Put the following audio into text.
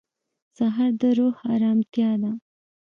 سهار د روح ارامتیا ده.